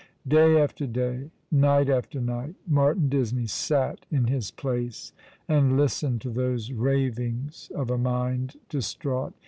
Day after day, night after night, Martin Disney sat in his l^lace and listened to those ravings of a mind distraught.